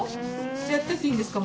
やってっていいんですか？